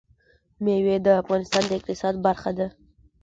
مېوې د افغانستان د اقتصاد برخه ده.